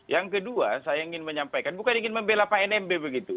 yang kedua saya ingin menyampaikan bukan ingin membela pak nmb begitu